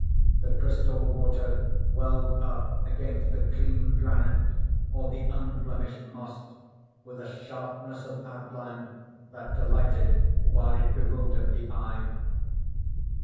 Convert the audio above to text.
The crystal water welled up against the clean granite, or the unblemished moss, with a sharpness of outline that delighted while it bewildered the eye.